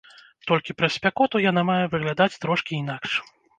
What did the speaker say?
Толькі праз спякоту яна мае выглядаць трошкі інакш.